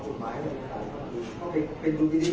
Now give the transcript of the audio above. แต่ว่าไม่มีปรากฏว่าถ้าเกิดคนให้ยาที่๓๑